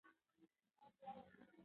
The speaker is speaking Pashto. له ګناه څخه کرکه وکړئ.